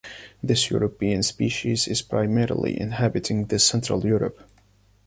This European species is primarily inhabiting the Central Europe.